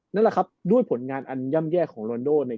นั่นล่ะครับด้วยผลงานอันย่ำแย่ของโรนานโดลงสนาม